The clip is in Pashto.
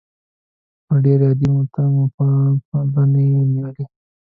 په ډېر عادي متاع مو پلورنې نېولې.